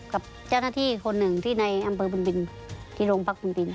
กับเจ้าหน้าที่คนหนึ่งที่ในอำเบอร์บรินบรินที่โรงพรรคบรินบริน